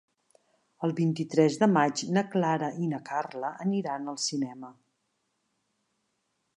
El vint-i-tres de maig na Clara i na Carla aniran al cinema.